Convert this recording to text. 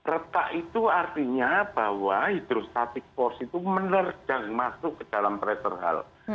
retak itu artinya bahwa hidrostatik pors itu menerjang masuk ke dalam pressure health